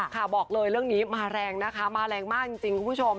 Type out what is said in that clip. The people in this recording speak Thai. บอกเลยเรื่องนี้มาแรงนะคะมาแรงมากจริงคุณผู้ชม